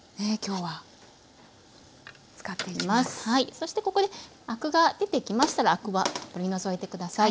そしてここでアクが出てきましたらアクは取り除いて下さい。